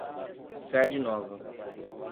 Sede Nova